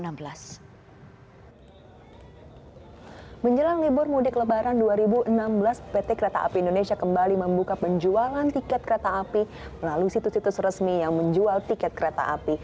menjelang libur mudik lebaran dua ribu enam belas pt kereta api indonesia kembali membuka penjualan tiket kereta api melalui situs situs resmi yang menjual tiket kereta api